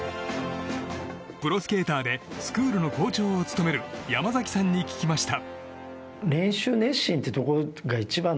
プロスケーターでスクールの校長を務める山崎さんに聞きました。